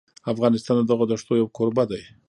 افغانستان د دغو دښتو یو کوربه دی.